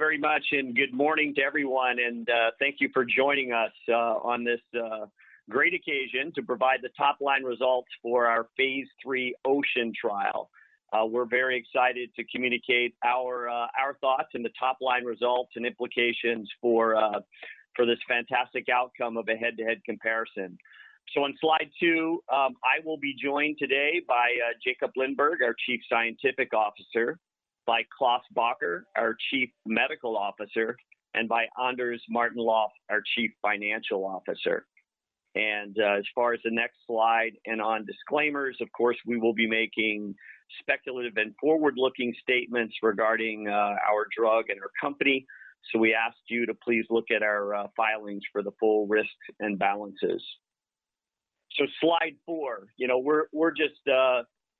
Thank you very much and good morning to everyone, and thank you for joining us on this great occasion to provide the top-line results for our phase III OCEAN trial. We're very excited to communicate our thoughts and the top-line results and implications for this fantastic outcome of a head-to-head comparison. On slide two, I will be joined today by Jakob Lindberg, our Chief Scientific Officer, by Klaas Bakker, our Chief Medical Officer, and by Anders Martin-Löf, our Chief Financial Officer. As far as the next slide and on disclaimers, of course, we will be making speculative and forward-looking statements regarding our drug and our company. We ask you to please look at our filings for the full risks and balances. Slide four. We're just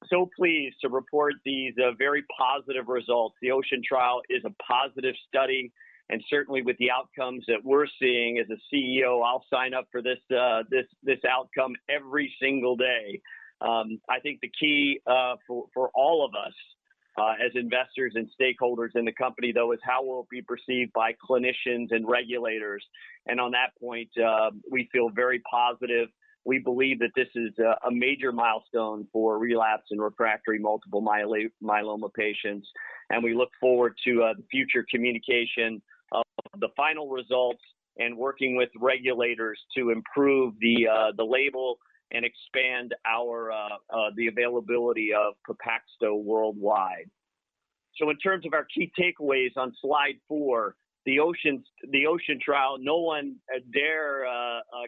so pleased to report these very positive results. The OCEAN trial is a positive study, and certainly with the outcomes that we're seeing, as the CEO, I'll sign up for this outcome every single day. I think the key for all of us as investors and stakeholders in the company, though, is how it will be perceived by clinicians and regulators. On that point, we feel very positive. We believe that this is a major milestone for relapsed and refractory multiple myeloma patients, and we look forward to future communication of the final results and working with regulators to improve the label and expand the availability of Pepaxto worldwide. In terms of our key takeaways on slide four, the OCEAN trial, no one dare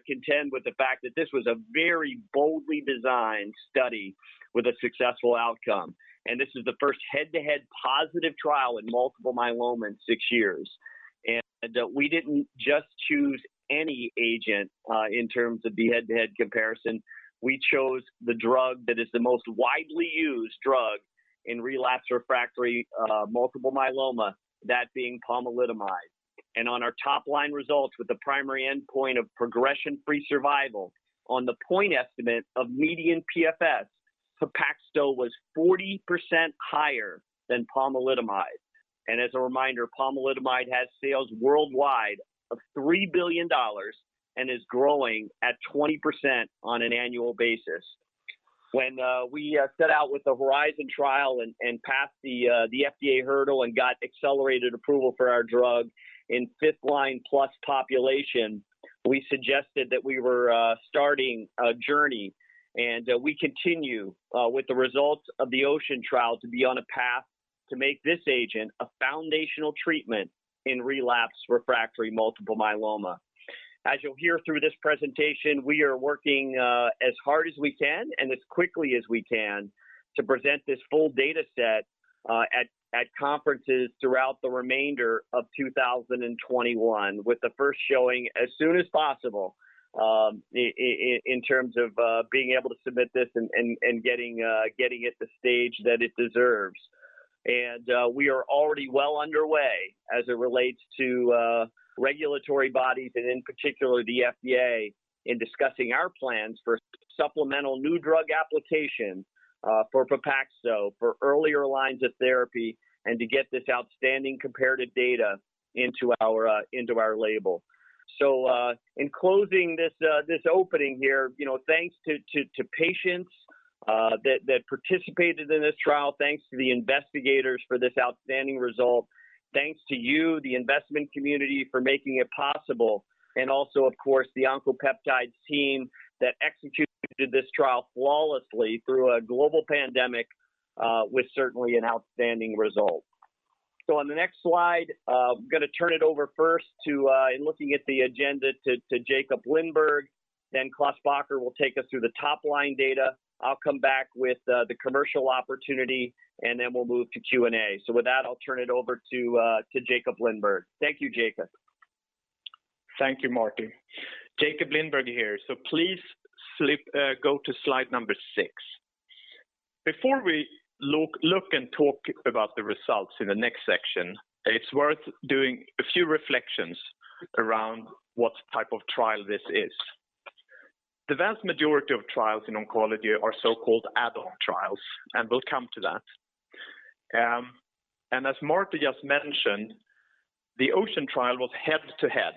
contend with the fact that this was a very boldly designed study with a successful outcome. This is the first head-to-head positive trial in multiple myeloma in six years. We didn't just choose any agent in terms of the head-to-head comparison. We chose the drug that is the most widely used drug in relapsed refractory multiple myeloma, that being pomalidomide. On our top-line results with the primary endpoint of progression-free survival, on the point estimate of median PFS, Pepaxto was 40% higher than pomalidomide. As a reminder, pomalidomide has sales worldwide of $3 billion and is growing at 20% on an annual basis. When we set out with the HORIZON trial and passed the FDA hurdle and got accelerated approval for our drug in fifth-line-plus population, we suggested that we were starting a journey, and we continue with the results of the OCEAN trial to be on a path to make this agent a foundational treatment in relapsed refractory multiple myeloma. As you'll hear through this presentation, we are working as hard as we can and as quickly as we can to present this full data set at conferences throughout the remainder of 2021, with the first showing as soon as possible in terms of being able to submit this and getting it the stage that it deserves. We are already well underway as it relates to regulatory bodies and, in particular, the FDA in discussing our plans for Supplemental New Drug Application for Pepaxto for earlier lines of therapy and to get this outstanding comparative data into our label. In closing this opening here, thanks to patients that participated in this trial. Thanks to the investigators for this outstanding result. Thanks to you, the investment community, for making it possible, and also, of course, the Oncopeptides team that executed this trial flawlessly through a global pandemic with certainly an outstanding result. On the next slide, I'm going to turn it over first to, looking at the agenda, to Jakob Lindberg, then Klaas Bakker will take us through the top-line data. I'll come back with the commercial opportunity, and then we'll move to Q&A. With that, I'll turn it over to Jakob Lindberg. Thank you, Jakob. Thank you, Marty. Jakob Lindberg here. Please go to slide number six. Before we look and talk about the results in the next section, it's worth doing a few reflections around what type of trial this is. The vast majority of trials in oncology are so-called add-on trials, and we'll come to that. As Marty just mentioned, the OCEAN trial was head-to-head.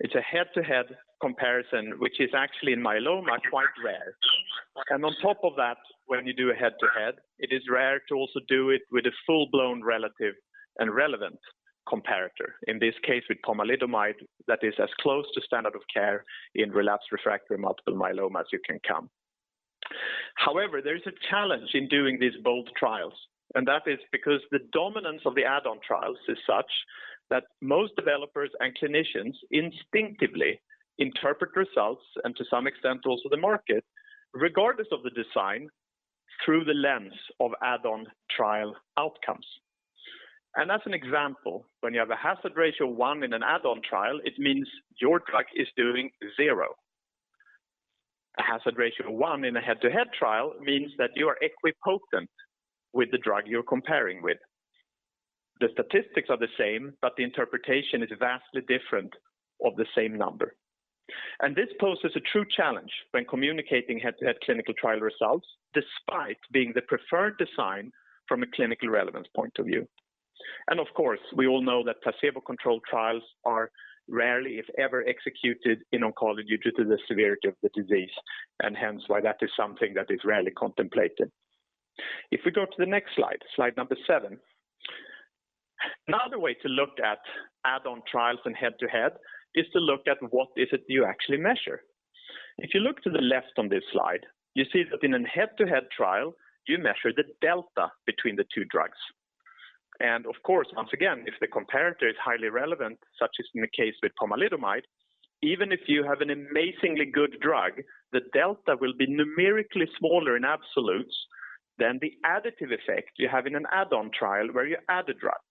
It's a head-to-head comparison, which is actually in myeloma quite rare. On top of that, when you do a head-to-head, it is rare to also do it with a full-blown relative and relevant comparator, in this case, with pomalidomide that is as close to standard of care in relapsed refractory multiple myeloma as you can come. However, there's a challenge in doing these bold trials, and that is because the dominance of the add-on trials is such that most developers and clinicians instinctively interpret results, and to some extent also the market, regardless of the design, through the lens of add-on trial outcomes. As an example, when you have a hazard ratio of one in an add-on trial, it means your drug is doing zero. A hazard ratio of one in a head-to-head trial means that you are equipotent with the drug you're comparing with. The statistics are the same, but the interpretation is vastly different of the same number. This poses a true challenge when communicating head-to-head clinical trial results, despite being the preferred design from a clinical relevance point of view. Of course, we all know that placebo-controlled trials are rarely, if ever, executed in oncology due to the severity of the disease, and hence why that is something that is rarely contemplated. If we go to the next slide number seven. Another way to look at add-on trials and head-to-head is to look at what is it you actually measure. If you look to the left on this slide, you see that in a head-to-head trial, you measure the delta between the two drugs. Of course, once again, if the comparator is highly relevant, such as in the case with pomalidomide, even if you have an amazingly good drug, the delta will be numerically smaller in absolutes than the additive effect you have in an add-on trial where you add a drug.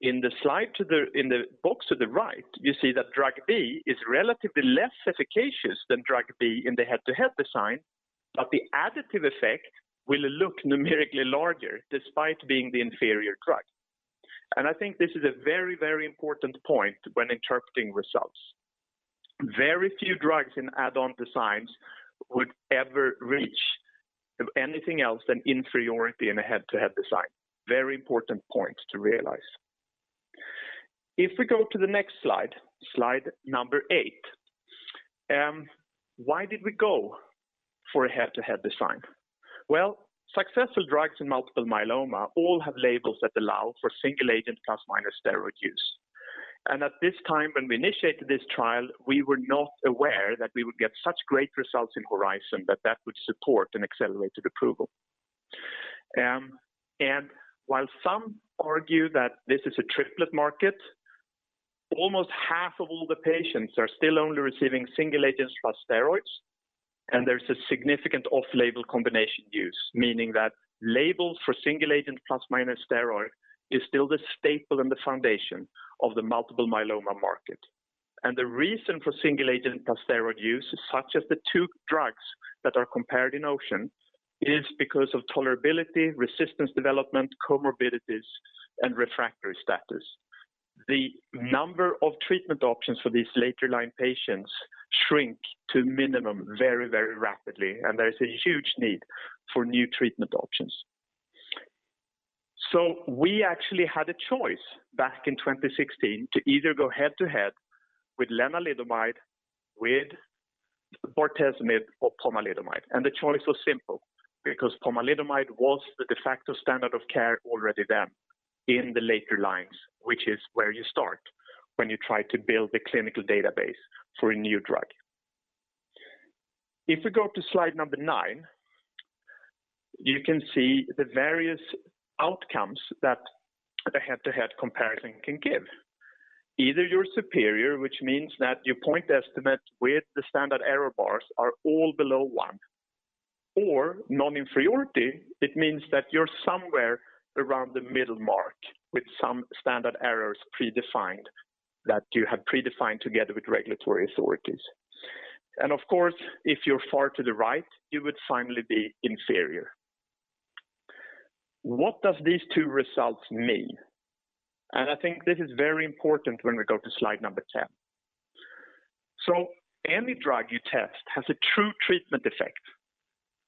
In the box to the right, you see that drug B is relatively less efficacious than drug A in the head-to-head design, but the additive effect will look numerically larger despite being the inferior drug. I think this is a very important point when interpreting results. Very few drugs in add-on designs would ever reach anything else than inferiority in a head-to-head design. Very important point to realize. If we go to the next slide number eight. Why did we go for a head-to-head design? Well, successful drugs in multiple myeloma all have labels that allow for single agent plus/minus steroid use. At this time, when we initiated this trial, we were not aware that we would get such great results in HORIZON that would support an accelerated approval. While some argue that this is a triplet market, almost half of all the patients are still only receiving single agents plus steroids, and there's a significant off-label combination use, meaning that labels for single agent plus/minus steroid is still the staple and the foundation of the multiple myeloma market. The reason for single agent plus steroid use, such as the two drugs that are compared in OCEAN, is because of tolerability, resistance development, comorbidities, and refractory status. The number of treatment options for these later-line patients shrink to minimum very rapidly, and there's a huge need for new treatment options. We actually had a choice back in 2016 to either go head-to-head with lenalidomide, with bortezomib or pomalidomide. The choice was simple, because pomalidomide was the de facto standard of care already then in the later lines, which is where you start when you try to build a clinical database for a new drug. If we go to slide number nine, you can see the various outcomes that a head-to-head comparison can give. Either you're superior, which means that your point estimates with the standard error bars are all below one. Non-inferiority, it means that you're somewhere around the middle mark with some standard errors predefined that you have predefined together with regulatory authorities. Of course, if you're far to the right, you would finally be inferior. What do these two results mean? I think this is very important when we go to slide number 10. Any drug you test has a true treatment effect.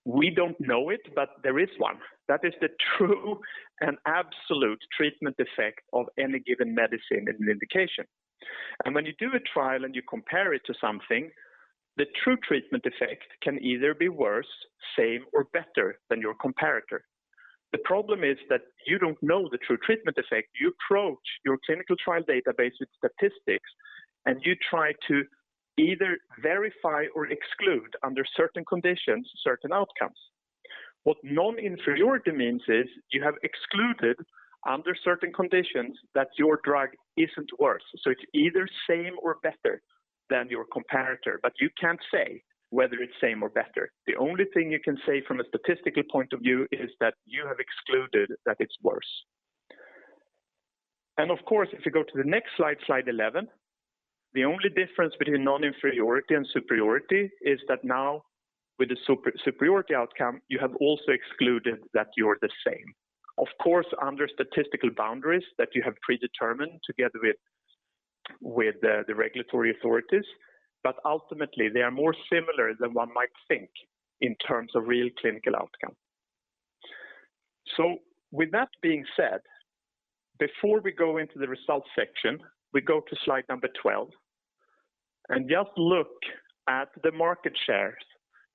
We don't know it, but there is one. That is the true and absolute treatment effect of any given medicine and indication. When you do a trial and you compare it to something, the true treatment effect can either be worse, same, or better than your comparator. The problem is that you don't know the true treatment effect. You approach your clinical trial database with statistics, and you try to either verify or exclude under certain conditions, certain outcomes. What non-inferiority means is you have excluded under certain conditions that your drug isn't worse. It's either same or better than your comparator, but you can't say whether it's same or better. The only thing you can say from a statistical point of view is that you have excluded that it's worse. Of course, if you go to the next slide 11, the only difference between non-inferiority and superiority is that now with the superiority outcome, you have also excluded that you're the same. Of course, under statistical boundaries that you have predetermined together with the regulatory authorities, but ultimately, they are more similar than one might think in terms of real clinical outcome. With that being said, before we go into the results section, we go to slide number 12 and just look at the market shares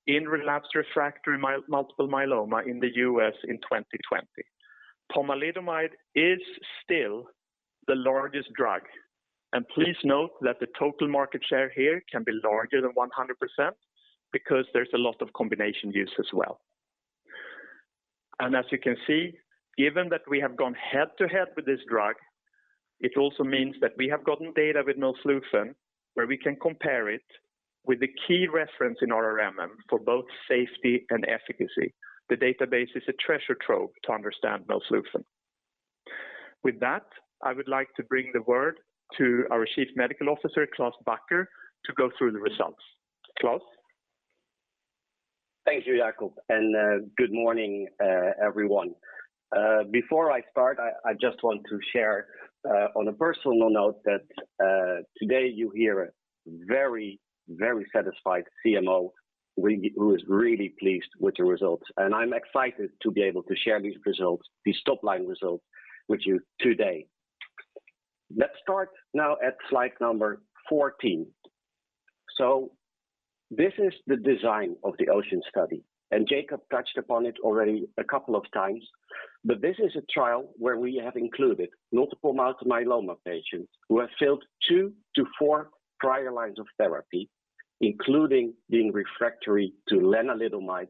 in relapsed refractory multiple myeloma in the U.S. in 2020. Pomalidomide is still the largest drug, and please note that the total market share here can be larger than 100% because there's a lot of combination use as well. As you can see, given that we have gone head-to-head with this drug, it also means that we have gotten data with melflufen where we can compare it with a key reference in RRMM for both safety and efficacy. The database is a treasure trove to understand melflufen. With that, I would like to bring the word to our Chief Medical Officer, Klaas Bakker, to go through the results. Klaas? Thank you, Jakob, good morning, everyone. Before I start, I just want to share on a personal note that today you hear a very, very satisfied CMO who is really pleased with the results, and I'm excited to be able to share these results, these top-line results with you today. Let's start now at slide number 14. This is the design of the OCEAN study, and Jakob touched upon it already a couple of times. This is a trial where we have included multiple myeloma patients who have failed two to four prior lines of therapy, including being refractory to lenalidomide,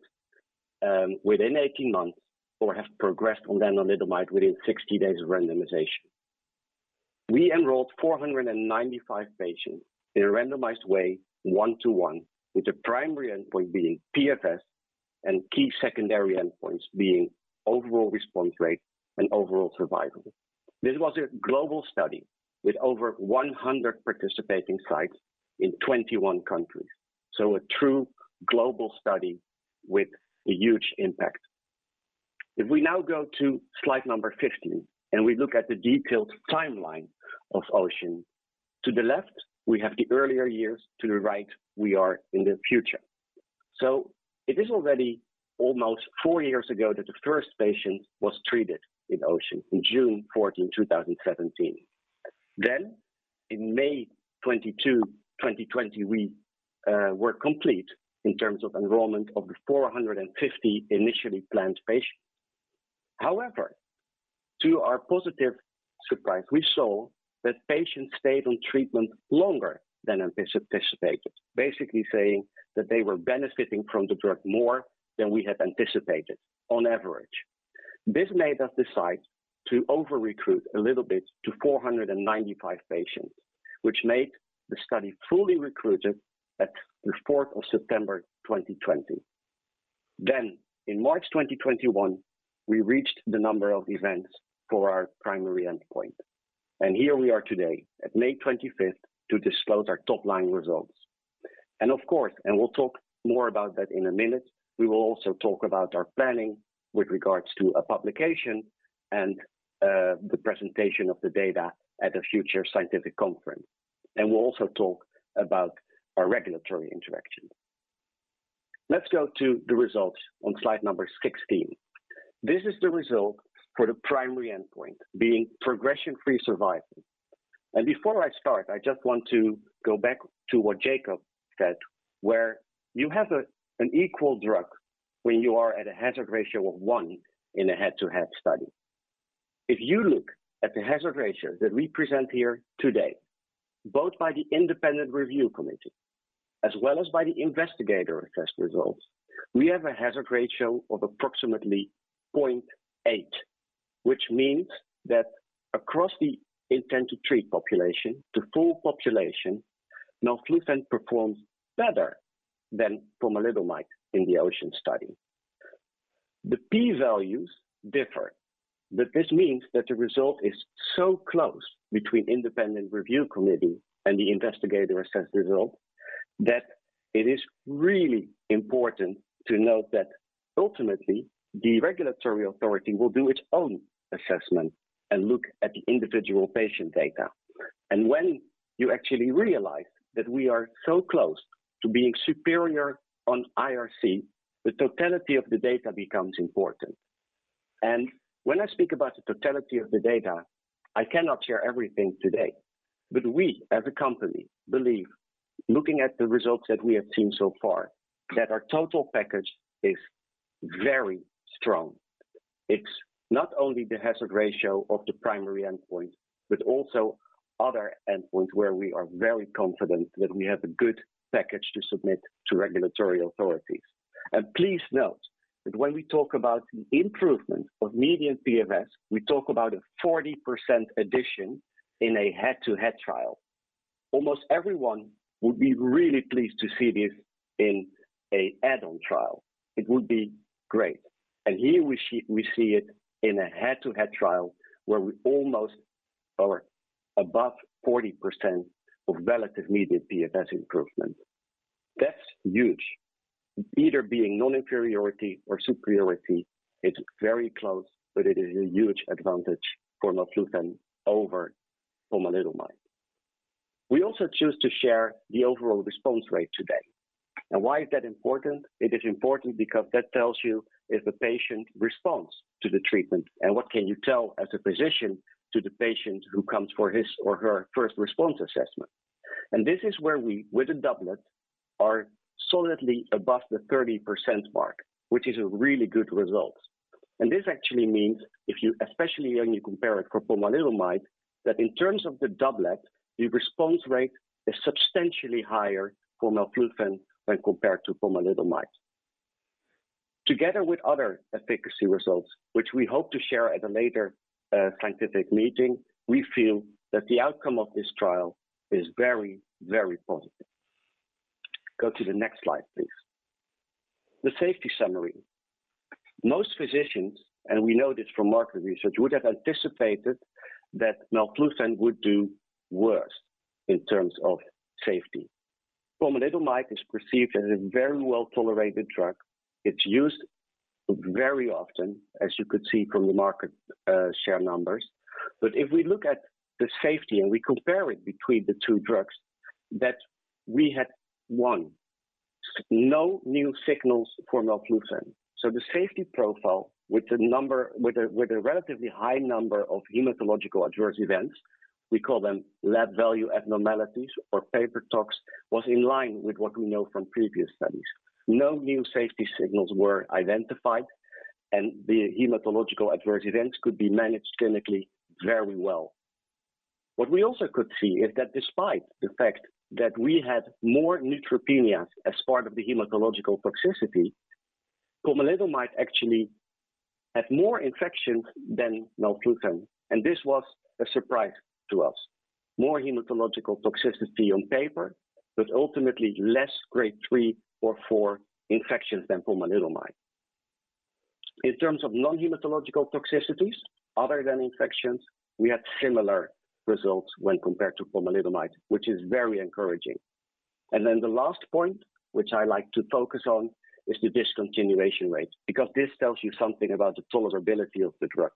within 18 months, or have progressed on lenalidomide within 60 days of randomization. We enrolled 495 patients in a randomized way, one-to-one, with the primary endpoint being PFS and key secondary endpoints being overall response rate and overall survival. This was a global study with over 100 participating sites in 21 countries, a true global study with a huge impact. If we now go to slide number 15 and we look at the detailed timeline of OCEAN, to the left, we have the earlier years, to the right, we are in the future. It is already almost four years ago that the first patient was treated in OCEAN on June 14, 2017. On May 22, 2020, we were complete in terms of enrollment of the 450 initially planned patients. To our positive surprise, we saw that patients stayed on treatment longer than anticipated, basically saying that they were benefiting from the drug more than we had anticipated on average. This made us decide to over-recruit a little bit to 495 patients, which made the study fully recruited at the 4th of September 2020. In March 2021, we reached the number of events for our primary endpoint, and here we are today at May 25th to disclose our top-line results. Of course, we'll talk more about that in a minute. We will also talk about our planning with regards to a publication and the presentation of the data at a future scientific conference. We'll also talk about our regulatory interaction. Let's go to the results on slide number 16. This is the result for the primary endpoint being progression-free survival. Before I start, I just want to go back to what Jakob said, where you have an equal drug when you are at a hazard ratio of one in a head-to-head study. If you look at the hazard ratio that we present here today, both by the independent review committee as well as by the investigator-assessed results, we have a hazard ratio of approximately 0.8, which means that across the intent to treat population, the full population, melflufen performs better than pomalidomide in the OCEAN study. The P values differ. This means that the result is so close between independent review committee and the investigator-assessed result that it is really important to note that ultimately, the regulatory authority will do its own assessment and look at the individual patient data. When you actually realize that we are so close to being superior on IRC, the totality of the data becomes important. When I speak about the totality of the data, I cannot share everything today. We, as a company, believe, looking at the results that we have seen so far, that our total package is very strong. It's not only the hazard ratio of the primary endpoint, but also other endpoints where we are very confident that we have a good package to submit to regulatory authorities. Please note that when we talk about the improvement of median PFS, we talk about a 40% addition in a head-to-head trial. Almost everyone would be really pleased to see this in an add-on trial. It would be great. Here we see it in a head-to-head trial where we almost are above 40% of relative median PFS improvement. That's huge. Either being non-inferiority or superiority, it's very close, but it is a huge advantage for melflufen over pomalidomide. We also choose to share the overall response rate today. Why is that important? It is important because that tells you if a patient responds to the treatment and what can you tell as a physician to the patient who comes for his or her first response assessment. This is where we, with the doublet, are solidly above the 30% mark, which is a really good result. This actually means, especially when you compare it for pomalidomide, that in terms of the doublet, the response rate is substantially higher for melflufen when compared to pomalidomide. Together with other efficacy results, which we hope to share at a later scientific meeting, we feel that the outcome of this trial is very, very positive. Go to the next slide, please. The safety summary. Most physicians, and we know this from market research, would have anticipated that melflufen would do worse in terms of safety. Pomalidomide is perceived as a very well-tolerated drug. It's used very often, as you could see from the market share numbers. If we look at the safety and we compare it between the two drugs, that we had one, no new signals for melflufen. The safety profile with a relatively high number of hematological adverse events, we call them lab value abnormalities or Pepaxto, was in line with what we know from previous studies. No new safety signals were identified, and the hematological adverse events could be managed clinically very well. What we also could see is that despite the fact that we had more neutropenia as part of the hematological toxicity, pomalidomide actually had more infections than melflufen, and this was a surprise to us. More hematological toxicity on paper, ultimately less grade 3 or 4 infections than pomalidomide. In terms of non-hematological toxicities, other than infections, we had similar results when compared to pomalidomide, which is very encouraging. The last point, which I like to focus on, is the discontinuation rate, because this tells you something about the tolerability of the drug.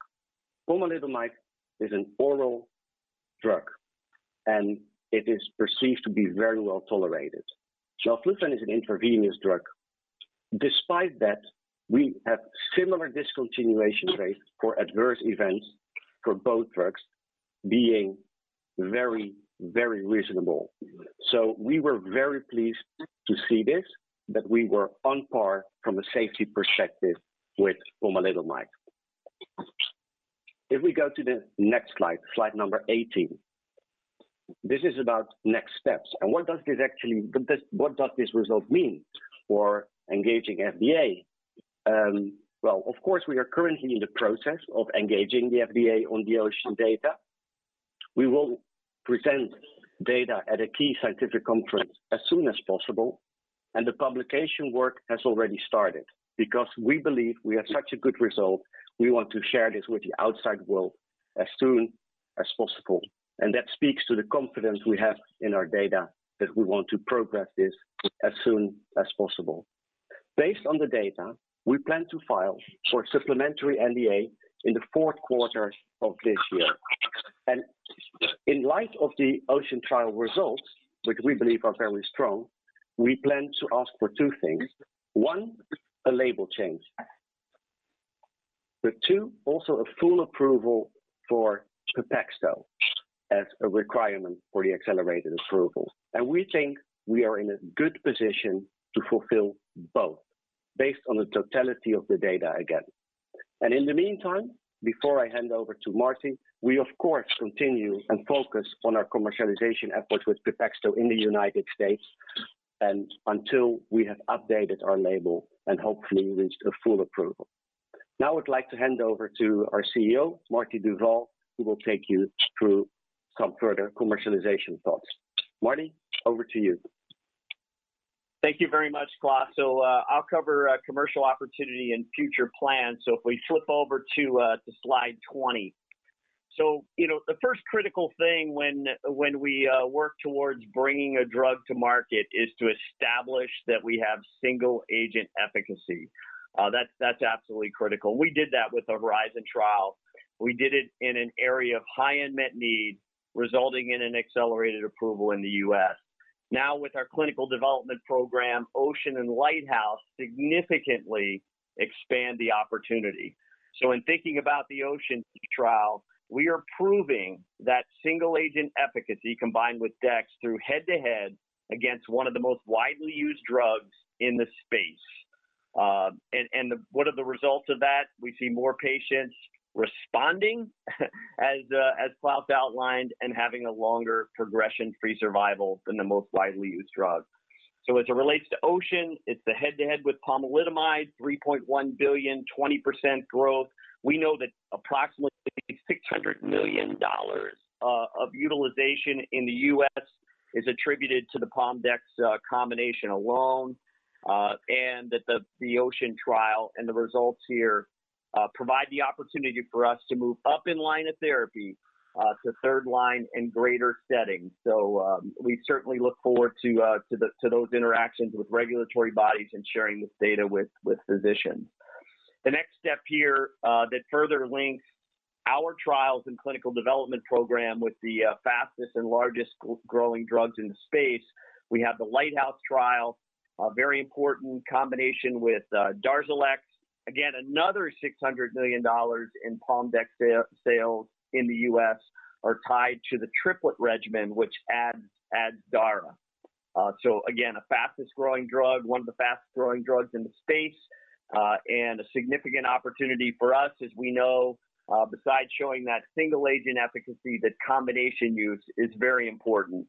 Pomalidomide is an oral drug and it is perceived to be very well-tolerated. Melflufen is an intravenous drug. Despite that, we had similar discontinuation rates for adverse events for both drugs being very, very reasonable. We were very pleased to see this, that we were on par from a safety perspective with pomalidomide. If we go to the next slide number 18. This is about next steps and what does this result mean for engaging FDA? Of course, we are currently in the process of engaging the FDA on the OCEAN data. We will present data at a key scientific conference as soon as possible. The publication work has already started because we believe we have such a good result, we want to share this with the outside world as soon as possible. That speaks to the confidence we have in our data that we want to progress this as soon as possible. Based on the data, we plan to file for supplementary NDA in the fourth quarter of this year. In light of the OCEAN trial results, which we believe are very strong, we plan to ask for two things. One, a label change. Two, also a full approval for Pepaxto as a requirement for the accelerated approval. We think we are in a good position to fulfill both based on the totality of the data again. In the meantime, before I hand over to Marty, we of course continue and focus on our commercialization efforts with Pepaxto in the United States and until we have updated our label and hopefully reached a full approval. I'd like to hand over to our CEO, Marty Duvall, who will take you through some further commercialization thoughts. Marty, over to you. Thank you very much, Klaas. I'll cover commercial opportunity and future plans. If we flip over to slide 20. The first critical thing when we work towards bringing a drug to market is to establish that we have single-agent efficacy. That's absolutely critical, and we did that with the HORIZON trial. We did it in an area of high unmet need, resulting in an accelerated approval in the U.S. With our clinical development program, OCEAN and LIGHTHOUSE significantly expand the opportunity. In thinking about the OCEAN trial, we are proving that single-agent efficacy combined with dex through head-to-head against one of the most widely used drugs in the space. What are the results of that? We see more patients responding, as Klaas outlined, and having a longer progression-free survival than the most widely used drug. As it relates to OCEAN, it's the head-to-head with pomalidomide, $3.1 billion, 20% growth. We know that approximately $600 million of utilization in the U.S. is attributed to the pom-dex combination alone, and that the OCEAN trial and the results here provide the opportunity for us to move up in line of therapy to third line in greater settings. We certainly look forward to those interactions with regulatory bodies and sharing this data with physicians. The next step here that further links our trials and clinical development program with the fastest and largest-growing drugs in the space, we have the LIGHTHOUSE trial, a very important combination with DARZALEX. Again, another $600 million in pom-dex sales in the U.S. are tied to the triplet regimen, which adds dara. Again, the fastest-growing drug, one of the fastest-growing drugs in the space, and a significant opportunity for us as we know, besides showing that single-agent efficacy, that combination use is very important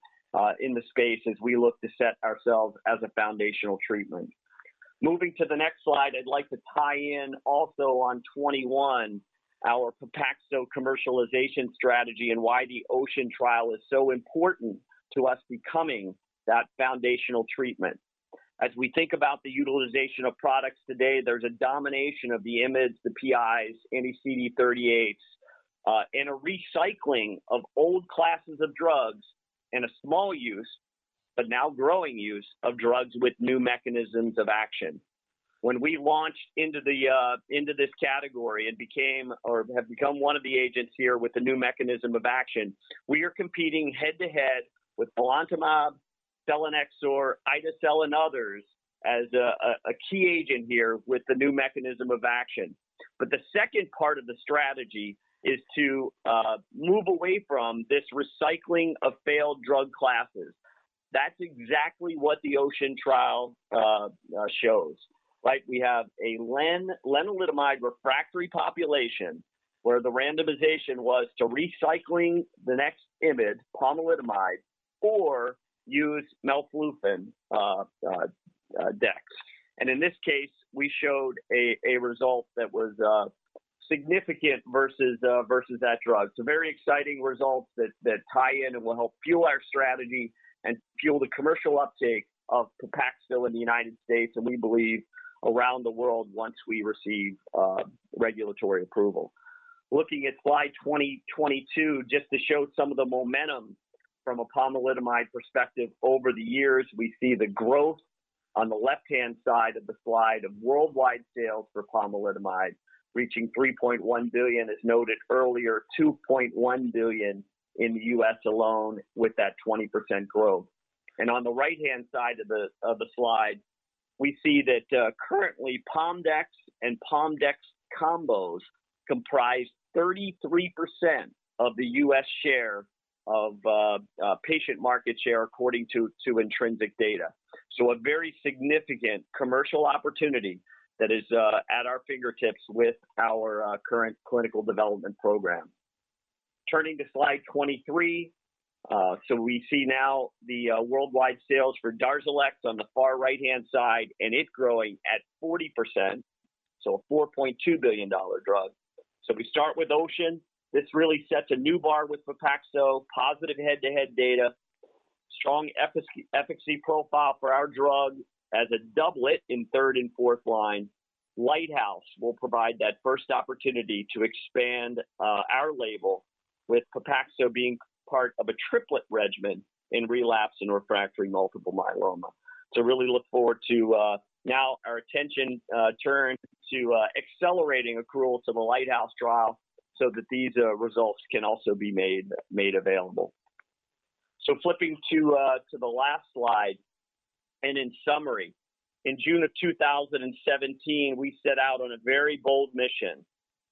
in the space as we look to set ourselves as a foundational treatment. Moving to the next slide, I'd like to tie in also on our Pepaxto commercialization strategy and why the OCEAN trial is so important to us becoming that foundational treatment. As we think about the utilization of products today, there's a domination of the IMiDs, the PIs, anti-CD38s, and a recycling of old classes of drugs in a small use, but now growing use of drugs with new mechanisms of action. When we launched into this category and have become one of the agents here with a new mechanism of action, we are competing head-to-head with belantamab, selinexor, ide-cel, and others as a key agent here with a new mechanism of action. The second part of the strategy is to move away from this recycling of failed drug classes. That's exactly what the OCEAN trial shows. We have a lenalidomide refractory population where the randomization was to recycling the next IMiD, pomalidomide, or use melflufen-dex. In this case, we showed a result that was significant versus that drug. Very exciting results that tie in and will help fuel our strategy and fuel the commercial uptake of Pepaxto in the United States, and we believe around the world once we receive regulatory approval. Looking at slide 2022, just to show some of the momentum from a pomalidomide perspective over the years. We see the growth on the left-hand side of the slide of worldwide sales for pomalidomide reaching $3.1 billion. As noted earlier, $2.1 billion in the U.S. alone with that 20% growth. On the right-hand side of the slide, we see that currently pom-dex and pom-dex combos comprise 33% of the U.S. patient market share according to IntrinsiQ data. A very significant commercial opportunity that is at our fingertips with our current clinical development program. Turning to slide 23. We see now the worldwide sales for DARZALEX on the far right-hand side, and it's growing at 40%, a $4.2 billion drug. We start with OCEAN. This really sets a new bar with Pepaxto. Positive head-to-head data, strong efficacy profile for our drug as a doublet in third and fourth line. LIGHTHOUSE will provide that first opportunity to expand our label with Pepaxto being part of a triplet regimen in relapsed and refractory multiple myeloma. Really look forward to now our attention turned to accelerating accrual to the LIGHTHOUSE trial so that these results can also be made available. Flipping to the last slide. In summary, in June of 2017, we set out on a very bold mission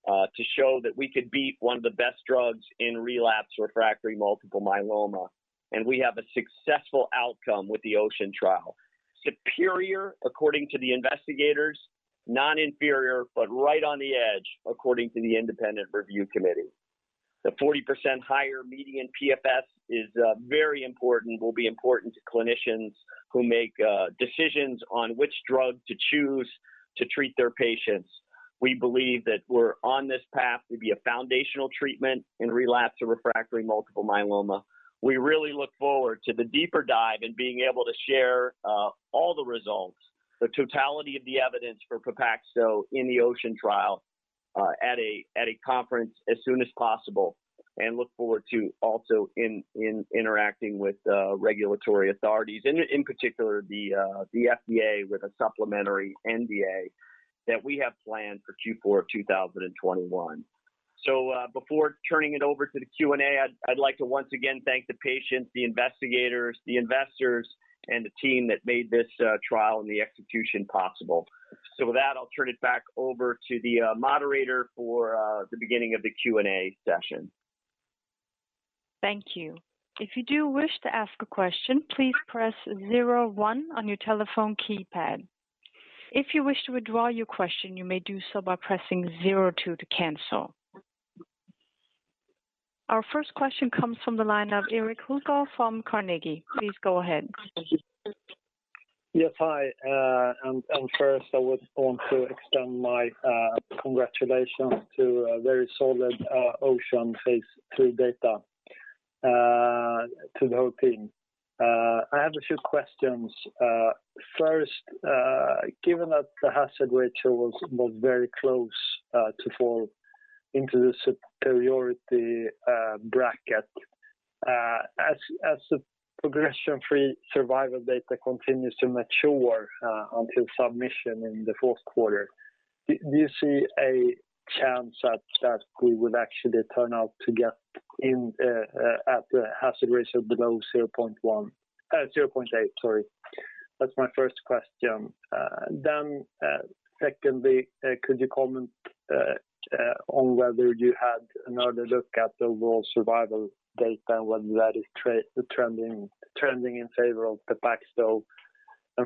to show that we could beat one of the best drugs in relapsed refractory multiple myeloma. We have a successful outcome with the OCEAN trial. Superior, according to the investigators, not inferior, but right on the edge, according to the independent review committee. The 40% higher median PFS is very important, will be important to clinicians who make decisions on which drug to choose to treat their patients. We believe that we're on this path to be a foundational treatment in relapsed or refractory multiple myeloma. We really look forward to the deeper dive and being able to share all the results, the totality of the evidence for Pepaxto in the OCEAN trial at a conference as soon as possible. Look forward to also interacting with regulatory authorities and in particular the FDA with a supplementary NDA that we have planned for Q4 2021. Before turning it over to the Q&A, I'd like to once again thank the patients, the investigators, the investors, and the team that made this trial and the execution possible. With that, I'll turn it back over to the moderator for the beginning of the Q&A session. Thank you. If you do wish to ask a question, please press zero one on your telephone keypad. If you wish to withdraw your question, you may do so by pressing zero two to cancel. Our first question comes from the line of Erik Hultgård from Carnegie. Please go ahead. Yes, hi. First I would want to extend my congratulations to a very solid OCEAN phase III data to the whole team. I have a few questions. First, given that the hazard ratio was very close to fall into the superiority bracket, as the progression-free survival data continues to mature until submission in the fourth quarter, do you see a chance that we would actually turn out to get at the hazard ratio below 0.8? That's my first question. Secondly, could you comment on whether you had another look at the overall survival data and whether that is trending in favor of Pepaxto?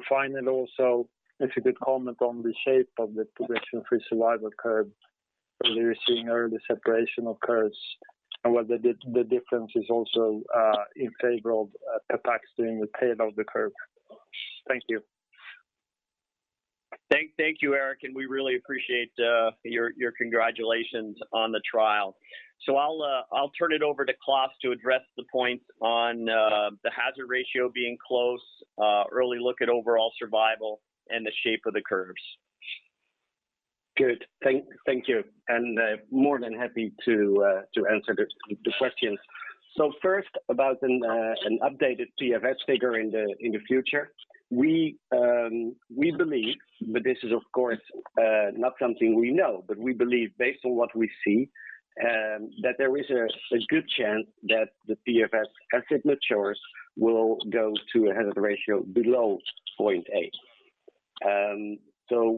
Finally, also, if you could comment on the shape of the progression-free survival curve, whether you're seeing early separation of curves and whether the difference is also in favor of Pepaxto in the tail of the curve. Thank you. Thank you, Erik. We appreciate your congratulations on the trial. I'll turn it over to Klaas to address the points on the hazard ratio being close, early look at overall survival, and the shape of the curves. Good. Thank you. More than happy to answer the questions. First, about an updated PFS figure in the future. We believe, but this is of course not something we know, but we believe based on what we see, that there is a good chance that the PFS, as it matures, will go to a hazard ratio below 0.8.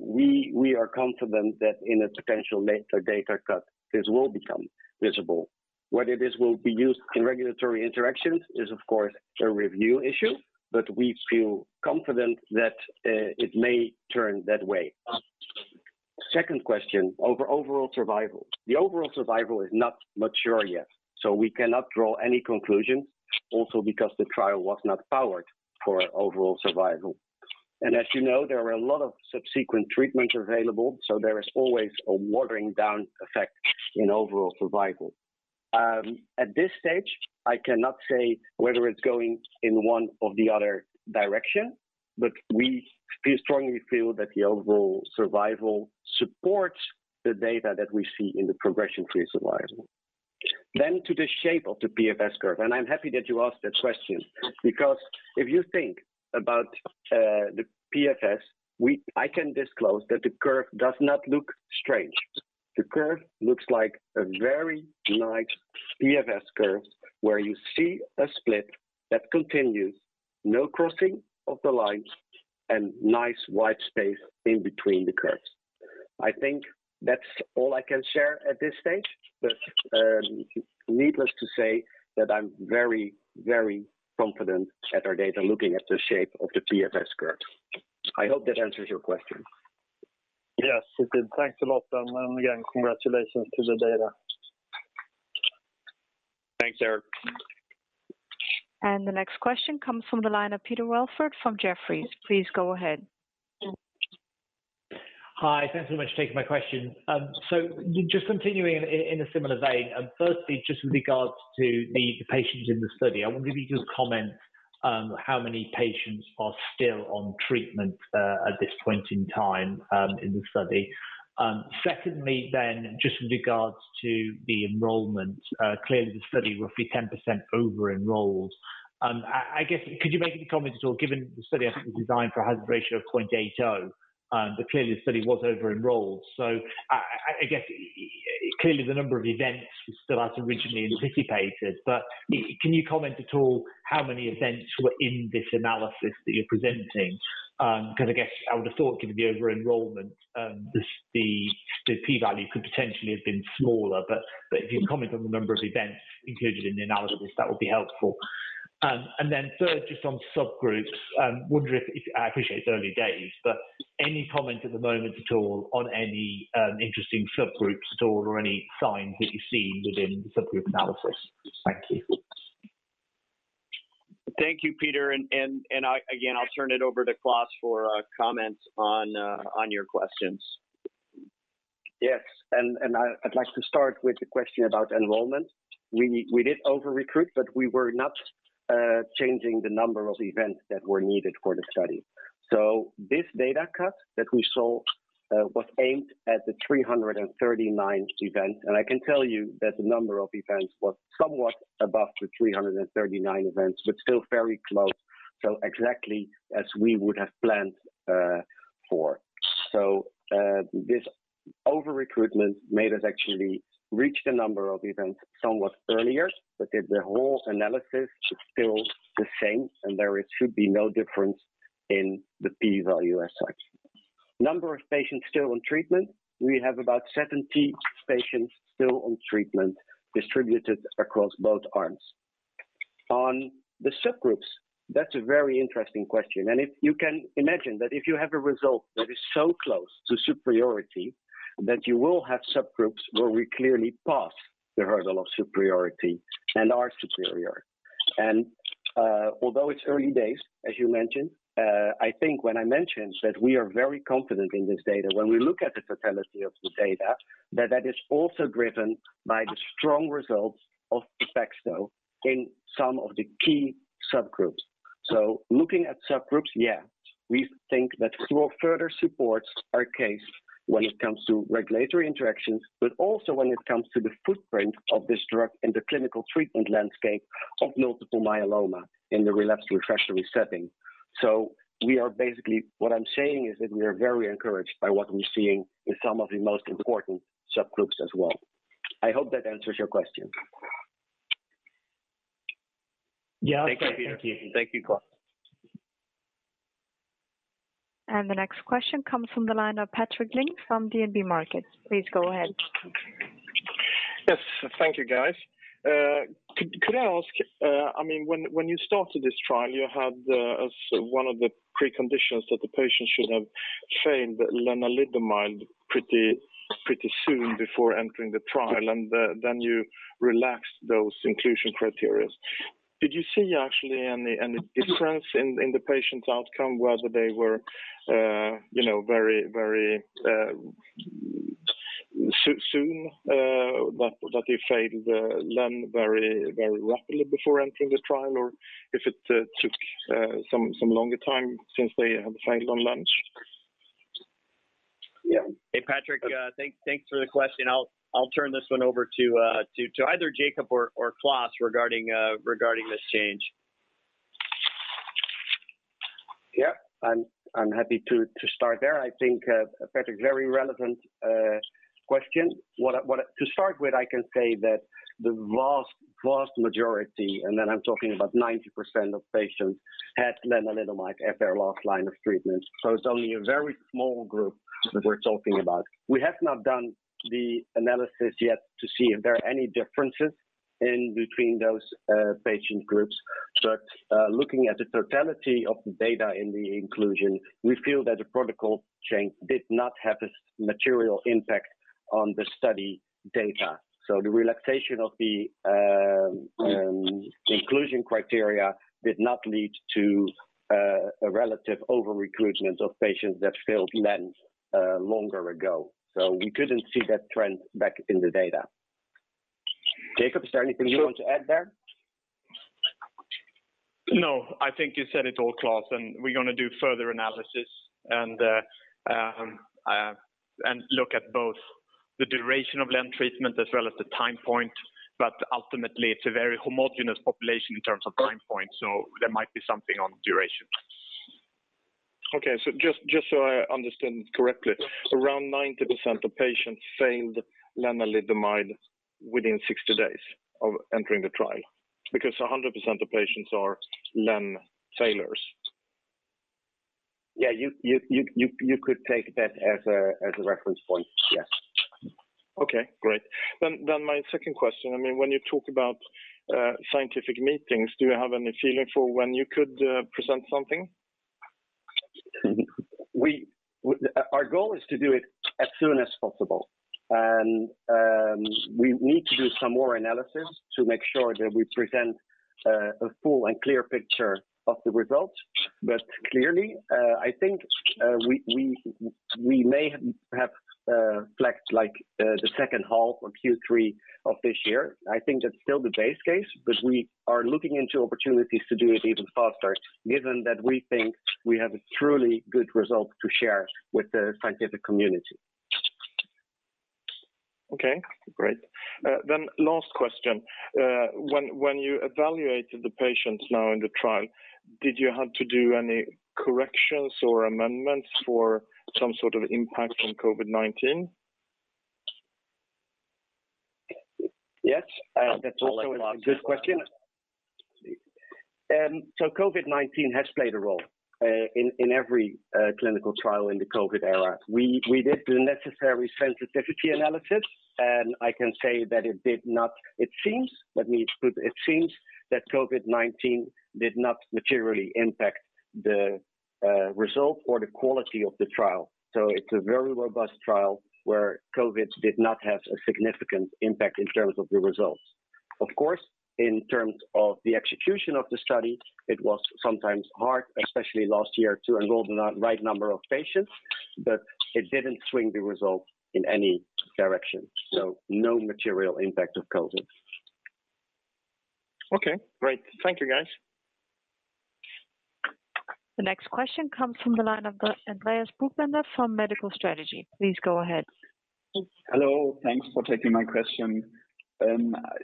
We are confident that in a potential later data cut, this will become visible. Whether this will be used in regulatory interactions is, of course, a review issue, but we feel confident that it may turn that way. Second question, over overall survival. The overall survival is not mature yet, so we cannot draw any conclusions, also because the trial was not powered for overall survival. As you know, there are a lot of subsequent treatments available, so there is always a watering down effect in overall survival. At this stage, I cannot say whether it's going in one or the other direction, but we strongly feel that the overall survival supports the data that we see in the progression-free survival. To the shape of the PFS curve, and I'm happy that you asked that question, because if you think about the PFS, I can disclose that the curve does not look strange. The curve looks like a very nice PFS curve, where you see a split that continues, no crossing of the lines, and nice wide space in between the curves. I think that's all I can share at this stage. Needless to say that I'm very, very confident at our data looking at the shape of the PFS curves. I hope that answers your question. Yes, it did. Thanks a lot, and again, congratulations on the data. Thanks, Erik. The next question comes from the line of Peter Welford from Jefferies. Please go ahead. Hi, thanks so much for taking my question. Just continuing in a similar vein, firstly, just with regards to the patients in the study. I wonder if you could comment how many patients are still on treatment at this point in time in the study. Secondly, just with regards to the enrollment. Clearly, the study roughly 10% over-enrolled. I guess, could you make any comments at all, given the study, I think, was designed for a hazard ratio of 0.80, clearly the study was over-enrolled. I guess, clearly the number of events was still as originally anticipated, can you comment at all how many events were in this analysis that you're presenting? I guess I would have thought given the over-enrollment, the p-value could potentially have been smaller, but if you can comment on the number of events included in the analysis, that would be helpful. Third, just on subgroups. I appreciate it's early days, but any comment at the moment at all on any interesting subgroups at all or any signs that you've seen within the subgroup analysis? Thank you. Thank you, Peter, and again, I'll turn it over to Klaas for comments on your questions. Yes, I'd like to start with the question about enrollment. We did over-recruit, but we were not changing the number of events that were needed for the study. This data cut that we saw was aimed at the 339 events, and I can tell you that the number of events was somewhat above the 339 events, but still very close, so exactly as we would have planned for. This over-recruitment made us actually reach the number of events somewhat earlier, but the whole analysis is still the same, and there should be no difference in the p-value as such. Number of patients still on treatment, we have about 70 patients still on treatment distributed across both arms. On the subgroups, that's a very interesting question. You can imagine that if you have a result that is so close to superiority, that you will have subgroups where we clearly pass the hurdle of superiority and are superior. Although it's early days, as you mentioned, I think when I mentioned that we are very confident in this data, when we look at the fidelity of the data, that is also driven by the strong results of Pepaxto in some of the key subgroups. Looking at subgroups, yeah, we think that further supports our case when it comes to regulatory interactions, but also when it comes to the footprint of this drug in the clinical treatment landscape of multiple myeloma in the relapsed/refractory setting. Basically what I'm saying is that we are very encouraged by what we're seeing in some of the most important subgroups as well. I hope that answers your question. Yeah. Thank you. Thank you, Klaas. The next question comes from the line of Patrik Ling from DNB Markets. Please go ahead. Yes. Thank you, guys. Could I ask, when you started this trial, you had as one of the preconditions that the patient should have failed lenalidomide pretty soon before entering the trial, and then you relaxed those inclusion criteria. Did you see actually any difference in the patient's outcome, whether they were very soon, that they failed the len very rapidly before entering the trial, or if it took some longer time since they have failed on len? Yeah. Hey, Patrik, thanks for the question. I'll turn this one over to either Jakob or Klaas regarding this change. Yeah, I'm happy to start there. I think a very relevant question. To start with, I can say that the vast majority, and then I'm talking about 90% of patients, have lenalidomide as their last line of treatment. It's only a very small group that we're talking about. We have not done the analysis yet to see if there are any differences in between those patient groups. Looking at the totality of the data in the inclusion, we feel that the protocol change did not have a material impact on the study data. The relaxation of the inclusion criteria did not lead to a relative over-recruitment of patients that failed len longer ago. We couldn't see that trend back in the data. Jakob, is there anything you want to add there? I think you said it all, Klaas, and we're going to do further analysis and look at both the duration of lenalidomide treatment as well as the time point. Ultimately, it's a very homogeneous population in terms of time point, so there might be something on duration. Okay. Just so I understand correctly, around 90% of patients failed lenalidomide within 60 days of entering the trial? 100% of patients are len failers. Yeah, you could take that as a reference point, yes. Okay, great. My second question, when you talk about scientific meetings, do you have any feeling for when you could present something? Our goal is to do it as soon as possible, and we need to do some more analysis to make sure that we present a full and clear picture of the results. Clearly, I think we may perhaps select the second half or Q3 of this year. I think that's still the base case, but we are looking into opportunities to do it even faster, given that we think we have a truly good result to share with the scientific community. Okay, great. Last question. When you evaluated the patients now in the trial, did you have to do any corrections or amendments for some sort of impact from COVID-19? Yes, that's also a good question. COVID-19 has played a role in every clinical trial in the COVID era. We did the necessary sensitivity analysis, and I can say that it seems that COVID-19 did not materially impact the result or the quality of the trial. It's a very robust trial where COVID did not have a significant impact in terms of the results. Of course, in terms of the execution of the study, it was sometimes hard, especially last year, to enroll the right number of patients, but it didn't swing the results in any direction. No material impact of COVID. Okay, great. Thank you, guys. The next question comes from the line of Andreas Buchbender from Medical Strategy. Please go ahead. Hello, thanks for taking my question.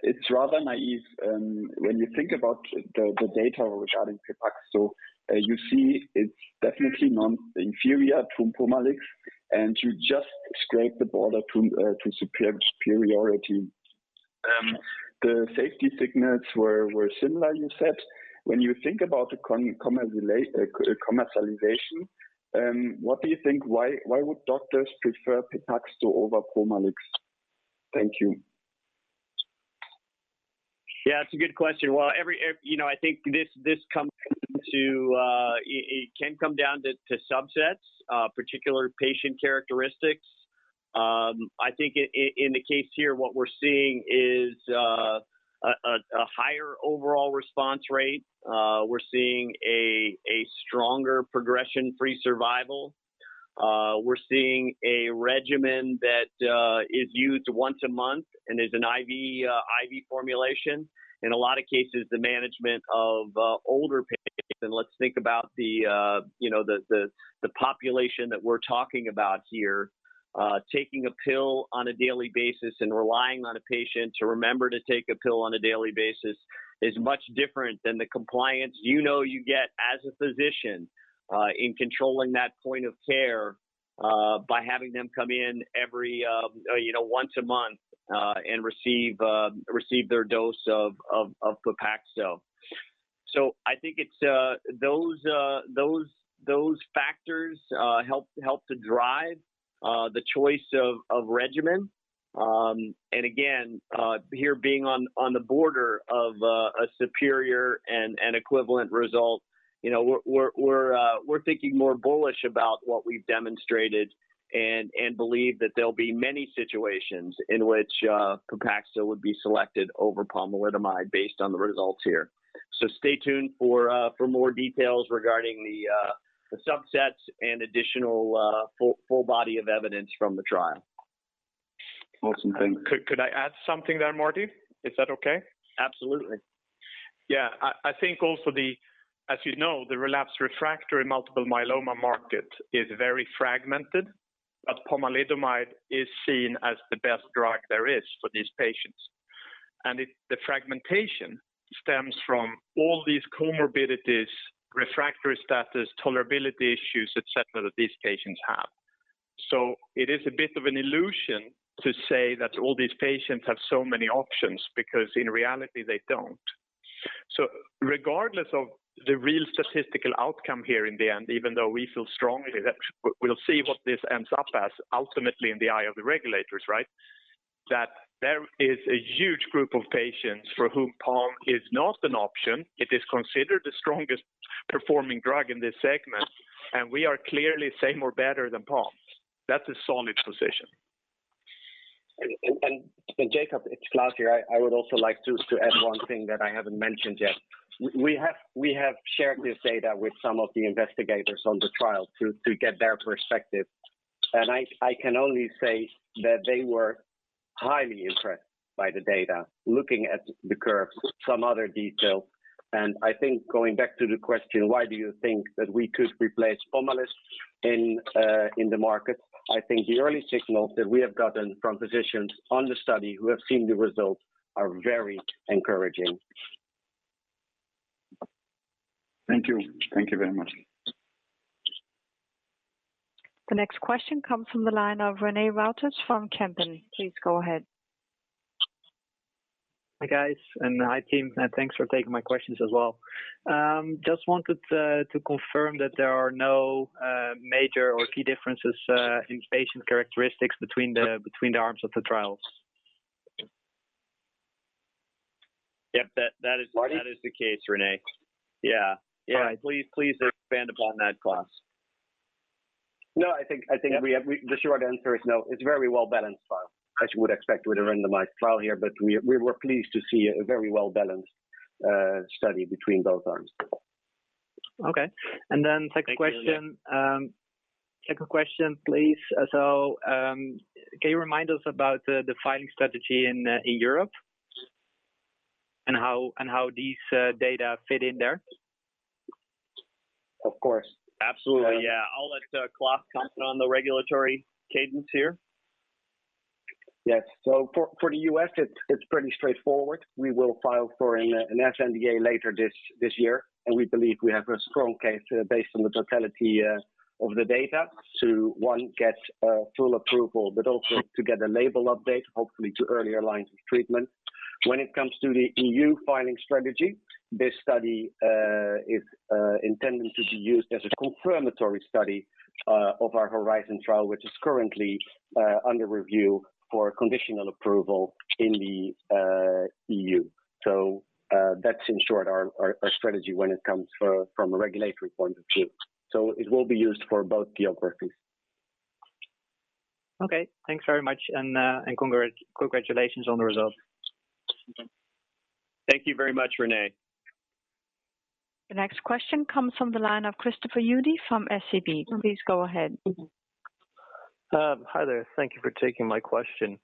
It's rather naive. When you think about the data regarding Pepaxto, you see it's definitely non-inferior to pomalidomide, and you just scrape the border to superiority. The safety signals were similar, you said. When you think about the commercialization, what do you think? Why would doctors prefer Pepaxto over pomalidomide? Thank you. Yeah, it's a good question. Well, I think this can come down to subsets, particular patient characteristics. I think in the case here, what we're seeing is a higher overall response rate. We're seeing a stronger progression-free survival. We're seeing a regimen that is used once a month and is an IV formulation. In a lot of cases, the management of older patients, and let's think about the population that we're talking about here, taking a pill on a daily basis and relying on a patient to remember to take a pill on a daily basis is much different than the compliance you know you get as a physician in controlling that point of care by having them come in once a month and receive their dose of Pepaxto. I think it's those factors help to drive the choice of regimen. Again, here being on the border of a superior and an equivalent result. We're thinking more bullish about what we've demonstrated and believe that there'll be many situations in which Pepaxto would be selected over pomalidomide based on the results here. Stay tuned for more details regarding the subsets and additional full body of evidence from the trial. Awesome. Thank you. Could I add something there, Marty? Is that okay? Absolutely. Yeah. I think also the, as you know, the relapsed refractory multiple myeloma market is very fragmented, pomalidomide is seen as the best drug there is for these patients. The fragmentation stems from all these comorbidities, refractory status, tolerability issues, et cetera, that these patients have. It is a bit of an illusion to say that all these patients have so many options, because in reality, they don't. Regardless of the real statistical outcome here in the end, even though we feel strongly that we'll see what this ends up as ultimately in the eye of the regulators, right. That there is a huge group of patients for whom pom is not an option. It is considered the strongest performing drug in this segment, and we are clearly saying we're better than pom. That's a solid position. Jakob, it's Klaas here. I would also like just to add one thing that I haven't mentioned yet. We have shared this data with some of the investigators on the trial to get their perspective, and I can only say that they were highly impressed by the data, looking at the curves, some other detail. I think going back to the question, why do you think that we could replace POMALYST in the market? I think the early signals that we have gotten from physicians on the study who have seen the results are very encouraging. Thank you. Thank you very much. The next question comes from the line of René Wouters from Kempen. Please go ahead. Hi, guys, and hi, team, and thanks for taking my questions as well. Just wanted to confirm that there are no major or key differences in patient characteristics between the arms of the trials. Yep, that is the case, René. Yeah. All right. Please expand upon that, Klaas. No, I think the short answer is no. It's a very well-balanced trial, as you would expect with a randomized trial here, but we were pleased to see a very well-balanced study between both arms. Okay. Second question, please. Can you remind us about the filing strategy in Europe and how these data fit in there? Of course. Absolutely. Yeah. I'll let Klaas touch on the regulatory cadence here. Yes. For the U.S., it's pretty straightforward. We will file for an sNDA later this year, and we believe we have a strong case based on the totality of the data to, one, get a full approval, but also to get a label update, hopefully to earlier lines of treatment. When it comes to the EU filing strategy, this study is intended to be used as a confirmatory study of our HORIZON trial, which is currently under review for conditional approval in the EU. That's in short our strategy when it comes from a regulatory point of view. It will be used for both geographies. Okay. Thanks very much, and congratulations on the result. Thank you very much, René. The next question comes from the line of Christopher Uhde from SEB. Please go ahead. Hi there. Thank you for taking my question.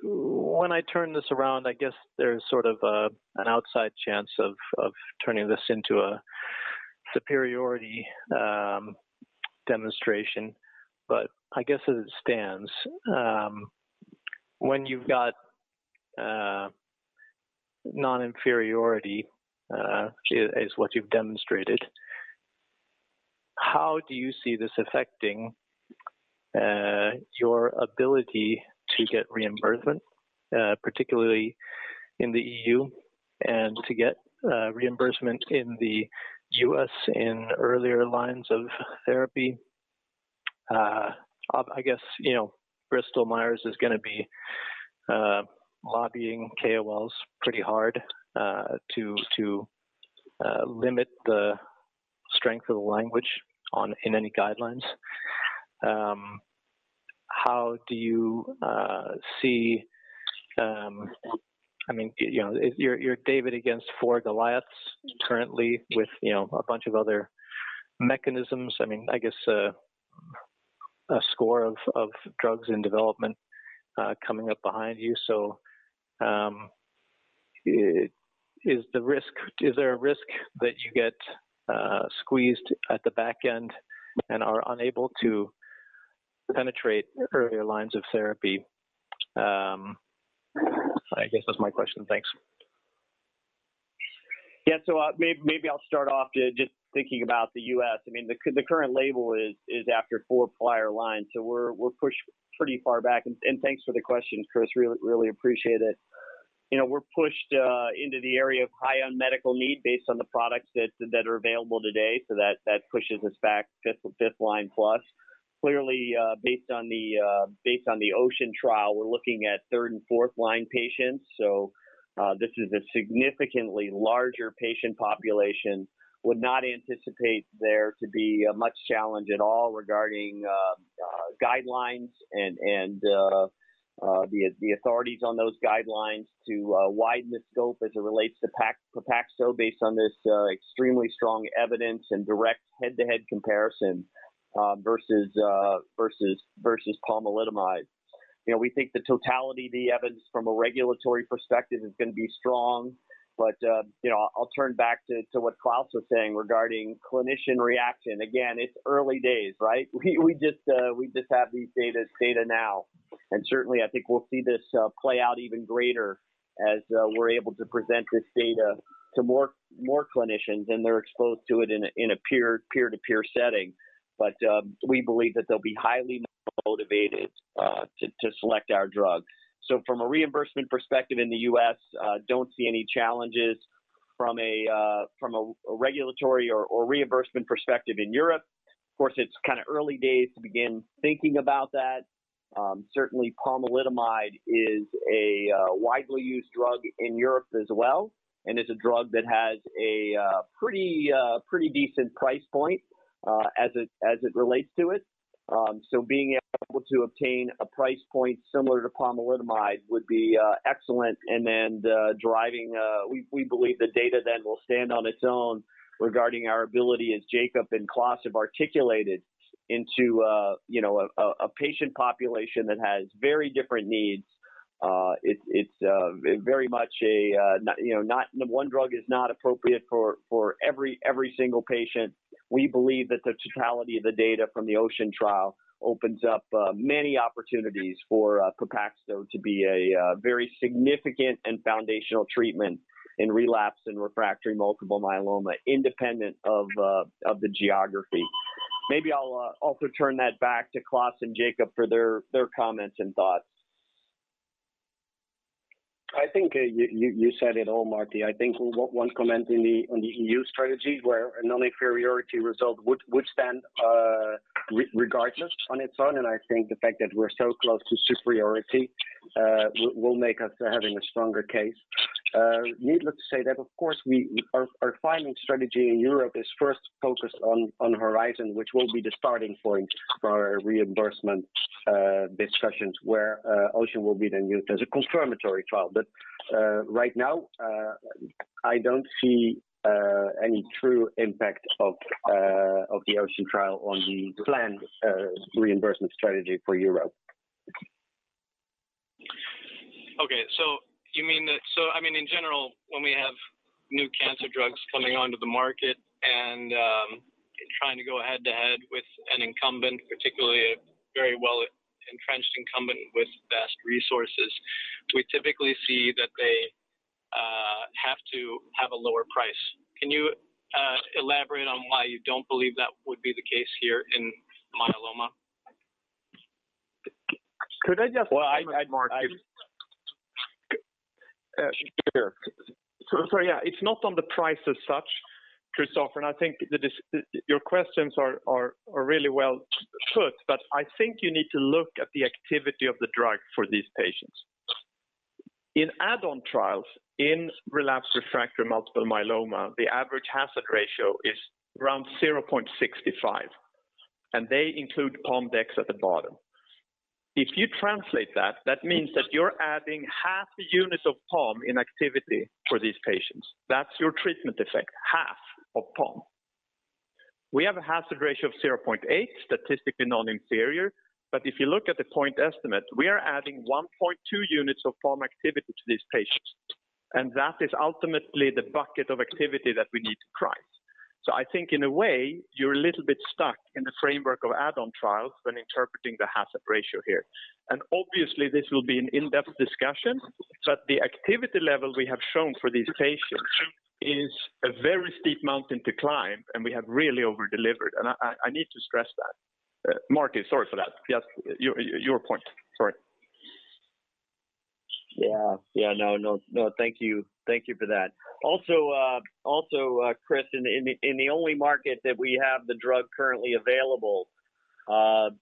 When I turn this around, I guess there's sort of an outside chance of turning this into a superiority demonstration. I guess as it stands, when you've got non-inferiority, is what you've demonstrated, how do you see this affecting your ability to get reimbursement, particularly in the EU and to get reimbursement in the U.S. in earlier lines of therapy? I guess Bristol-Myers is going to be lobbying KOLs pretty hard to limit the strength of the language in any guidelines. How do you see You're David against four Goliaths currently with a bunch of other mechanisms. I guess a score of drugs in development coming up behind you. Is there a risk that you get squeezed at the back end and are unable to penetrate earlier lines of therapy? I guess that's my question. Thanks. Yeah. Maybe I'll start off just thinking about the U.S. The current label is after four prior lines. We're pushed pretty far back, and thanks for the question, Christopher, really appreciate it. We're pushed into the area of high unmet medical need based on the products that are available today, that pushes us back fifth-line plus. Clearly, based on the OCEAN trial, we're looking at third and fourth-line patients. This is a significantly larger patient population. Would not anticipate there to be much challenge at all regarding guidelines and the authorities on those guidelines to widen the scope as it relates to Pepaxto based on this extremely strong evidence and direct head-to-head comparison versus pomalidomide. We think the totality of the evidence from a regulatory perspective is going to be strong. I'll turn back to what Klaas was saying regarding clinician reaction. It's early days, right? We just have these data now. Certainly, I think we'll see this play out even greater as we're able to present this data to more clinicians and they're exposed to it in a peer-to-peer setting. We believe that they'll be highly motivated to select our drug. From a reimbursement perspective in the U.S., don't see any challenges from a regulatory or reimbursement perspective in Europe. Of course, it's early days to begin thinking about that. Certainly, pomalidomide is a widely used drug in Europe as well, and it's a drug that has a pretty decent price point as it relates to it. Being able to obtain a price point similar to pomalidomide would be excellent, and then we believe the data then will stand on its own regarding our ability as Jakob and Klaas have articulated into a patient population that has very different needs. One drug is not appropriate for every single patient. We believe that the totality of the data from the OCEAN trial opens up many opportunities for Pepaxto to be a very significant and foundational treatment in relapse and refractory multiple myeloma, independent of the geography. Maybe I'll also turn that back to Klaas and Jakob for their comments and thoughts. I think you said it all, Marty. I think the fact that we're so close to superiority will make us having a stronger case. Needless to say that, of course, our filing strategy in Europe is first focused on HORIZON, which will be the starting point for our reimbursement discussions, where OCEAN will be then used as a confirmatory trial. Right now, I don't see any true impact of the OCEAN trial on the planned reimbursement strategy for Europe. I mean, in general, when we have new cancer drugs coming onto the market and trying to go head-to-head with an incumbent, particularly a very well-entrenched incumbent with vast resources, we typically see that they have to have a lower price. Can you elaborate on why you don't believe that would be the case here in myeloma? Could I just add, Marty? Sure. Yeah, it's not on the price as such, Christopher, and I think your questions are really well put, but I think you need to look at the activity of the drug for these patients. In add-on trials, in relapse refractory multiple myeloma, the average hazard ratio is around 0.65, and they include pom dexamethasone at the bottom. If you translate that means that you're adding half the units of pom in activity for these patients. That's your treatment effect, half of pom. We have a hazard ratio of 0.8, statistically non-inferior, but if you look at the point estimate, we are adding 1.2 units of pom activity to these patients, and that is ultimately the bucket of activity that we need to price. I think in a way, you're a little bit stuck in the framework of add-on trials when interpreting the hazard ratio here. Obviously, this will be an in-depth discussion, but the activity level we have shown for these patients is a very steep mountain to climb, and we have really over-delivered, and I need to stress that. Marty, sorry for that. Yes, your point. Sorry. No, thank you for that. Christopher, in the only market that we have the drug currently available, when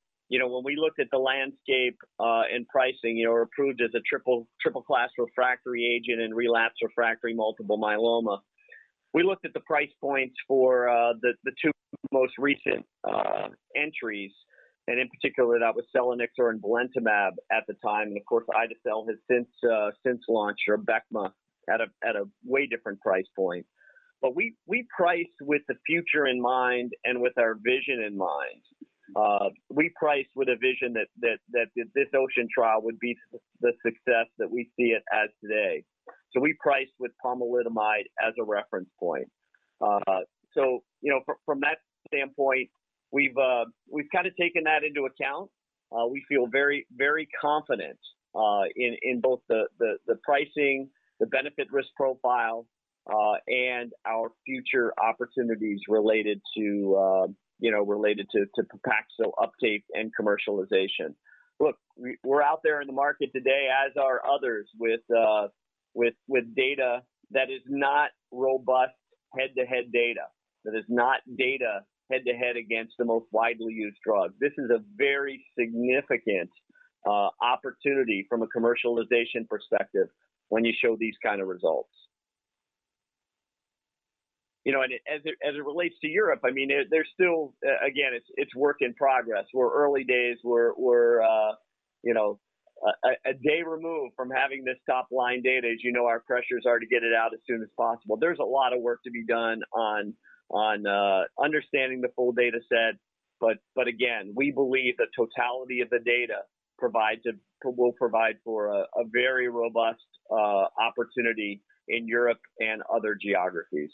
we look at the landscape in pricing, we're approved as a triple-class refractory agent in relapsed refractory multiple myeloma. We looked at the price points for the two most recent entries, and in particular, that was selinexor and belantamab at the time, and of course, ide-cel has since launched, or ABECMA, at a way different price point. We priced with the future in mind and with our vision in mind. We priced with a vision that this OCEAN trial would be the success that we see it as today. We priced with pomalidomide as a reference point. From that standpoint, we've taken that into account. We feel very confident in both the pricing, the benefit-risk profile, and our future opportunities related to Pepaxto updates and commercialization. Look, we're out there in the market today, as are others with data that is not robust head-to-head data, that is not data head-to-head against the most widely used drugs. This is a very significant opportunity from a commercialization perspective when you show these kinds of results. As it relates to Europe, again, it's work in progress. We're early days. We're a day removed from having this top-line data. As you know, our pressure is already to get it out as soon as possible. There's a lot of work to be done on understanding the full data set. Again, we believe the totality of the data will provide for a very robust opportunity in Europe and other geographies.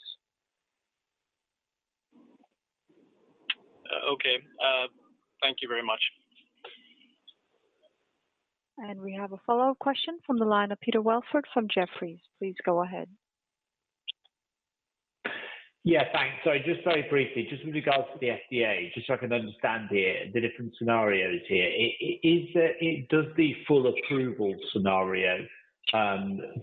Okay. Thank you very much. We have a follow-up question from the line of Peter Welford from Jefferies. Please go ahead. Yeah, thanks. Just very briefly, just with regards to the FDA, just so I can understand here the different scenarios here. It does the full approval scenario,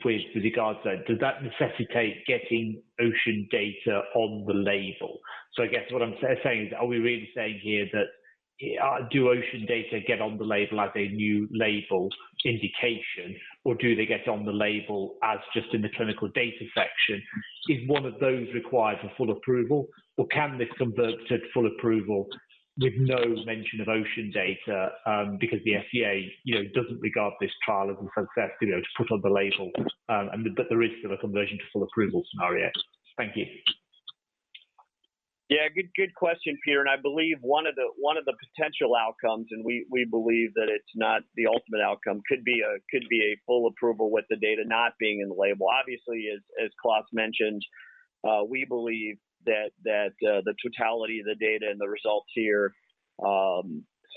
which with regards then, does that necessitate getting OCEAN data on the label? I guess what I'm saying is, are we really saying here that do OCEAN data get on the label as a new label indication, or do they get on the label as just in the clinical data section? Is one of those required for full approval, or can this convert to full approval with no mention of OCEAN data because the FDA doesn't regard this trial as successful to put on the label, but there is still a conversion to full approval scenario? Thank you. Yeah, good question, Peter. I believe one of the potential outcomes, and we believe that it's not the ultimate outcome, could be a full approval with the data not being in the label. Obviously, as Klaas mentioned, we believe that the totality of the data and the results here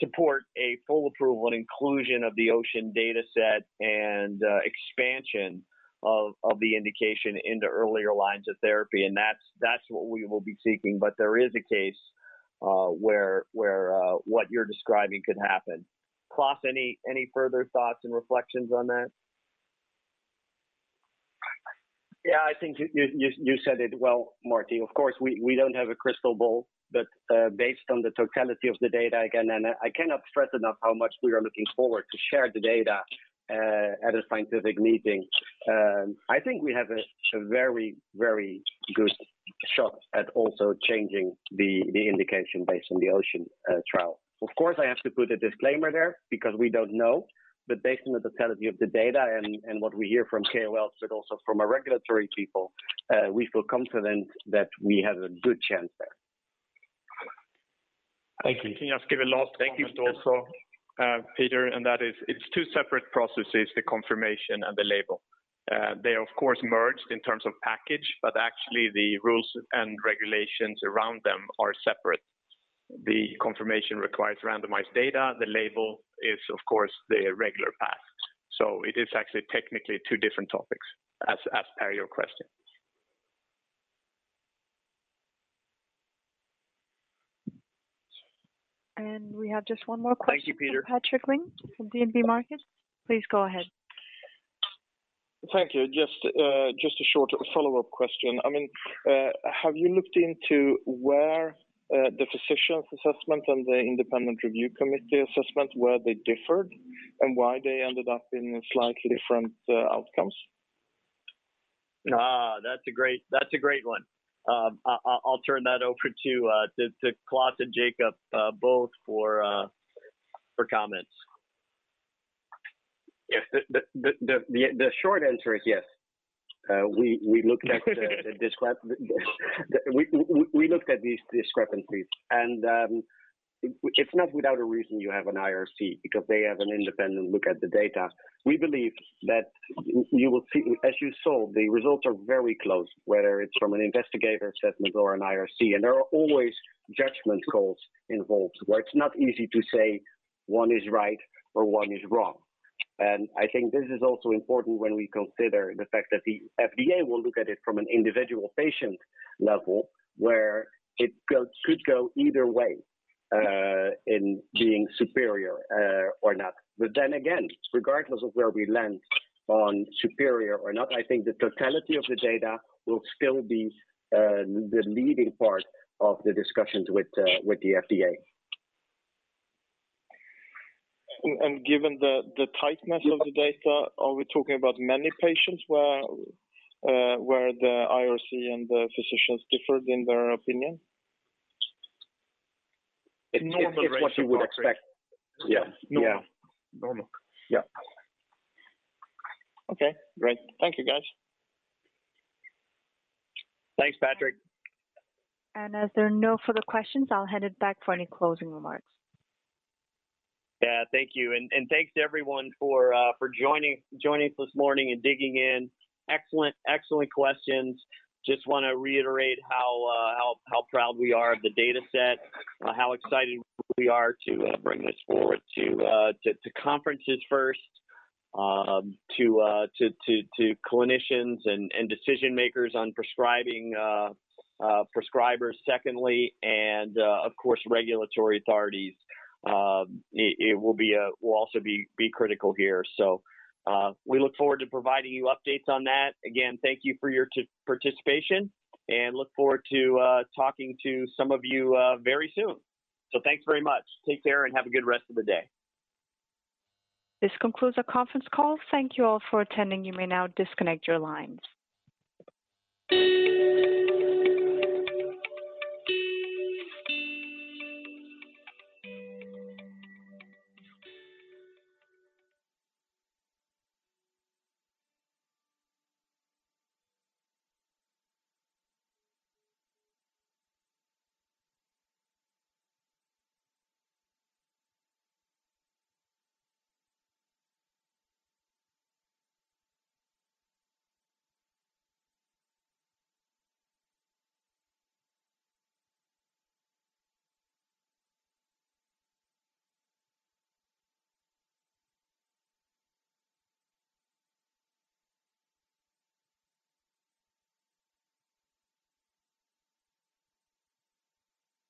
support a full approval and inclusion of the OCEAN data set and expansion of the indication into earlier lines of therapy. That's what we will be seeking. There is a case where what you're describing can happen. Klaas, any further thoughts and reflections on that? Yeah, I think you said it well, Marty. Of course, we don't have a crystal ball. Based on the totality of the data, again, I cannot stress enough how much we are looking forward to share the data at a scientific meeting. I think we have a very good shot at also changing the indication based on the OCEAN trial. Of course, I have to put a disclaimer there because we don't know. Based on the totality of the data and what we hear from KOLs, also from our regulatory people, we feel confident that we have a good chance there. Thank you. Thank you. Can I just give a last point also, Peter, and that is it's two separate processes, the confirmation and the label. They of course merge in terms of package, but actually the rules and regulations around them are separate. The confirmation requires randomized data. The label is, of course, the regular path. It is actually technically two different topics, as are your questions. We have just one more question. Thank you, Peter. Patrik Ling from DNB Markets. Please go ahead. Thank you. Just a short follow-up question. Have you looked into where the physician's assessment and the Independent Review Committee assessment, where they differed and why they ended up in slightly different outcomes? That's a great one. I'll turn that over to Klaas and Jakob both for comments. The short answer is yes. We looked at these discrepancies and it's not without a reason you have an IRC because they have an independent look at the data. We believe that as you saw, the results are very close, whether it's from an investigator assessment or an IRC, and there are always judgment calls involved where it's not easy to say one is right or one is wrong. I think this is also important when we consider the fact that the FDA will look at it from an individual patient level where it could go either way in being superior or not. Then again, regardless of where we land on superior or not, I think the totality of the data will still be the leading part of the discussions with the FDA. Given the tightness of the data, are we talking about many patients where the IRC and the physicians differed in their opinion? It's normal based on what you would expect. Yeah. Normal. Yeah. Okay, great. Thank you, guys. Thanks, Patrik. As there are no further questions, I'll hand it back for any closing remarks. Yeah, thank you. Thanks everyone for joining this morning and digging in. Excellent questions. Just want to reiterate how proud we are of the data set and how excited we are to bring this forward to conferences first, to clinicians and decision makers on prescribing prescribers secondly, and of course, regulatory authorities. It will also be critical here. We look forward to providing you updates on that. Again, thank you for your participation and look forward to talking to some of you very soon. Thanks very much. Take care and have a good rest of the day. This concludes our conference call. Thank you all for attending and you may now disconnect your lines.